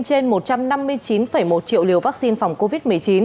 trên một trăm năm mươi chín một triệu liều vaccine phòng covid một mươi chín